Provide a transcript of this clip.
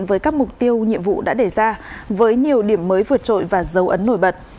với các mục tiêu nhiệm vụ đã đề ra với nhiều điểm mới vượt trội và dấu ấn nổi bật